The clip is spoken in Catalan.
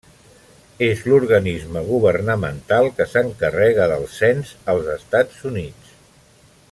És l'organisme governamental que s'encarrega del Cens als Estats Units.